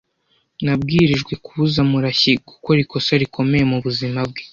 Nabwirijwe kubuza Murashyi gukora ikosa rikomeye mubuzima bwe.